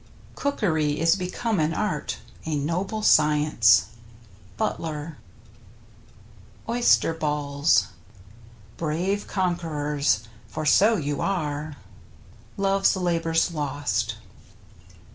Cookery is become an Art, a noble Science. — Butler. ^ w I =m OYSTER BALLS Brave conquerors — for so you are. — Love's Labour's Lost.